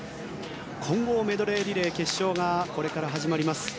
混合メドレーリレー決勝がこれから始まります。